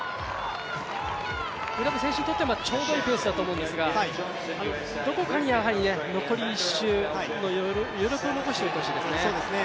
卜部選手にとってはちょうどいいペースだとは思うんですがどこかに余力を残しておいてほしいですね。